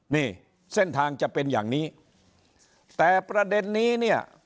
นี่เส้นทางจะเป็นอย่างนี้แต่ประเด็นนี้เนี่ย